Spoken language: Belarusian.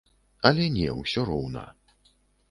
Але не, усё роўна.